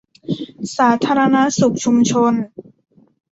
สาธารณสุขชุมชน